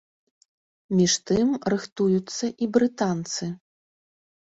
Між тым, рыхтуюцца і брытанцы.